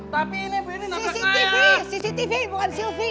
cctv cctv bukan sylvie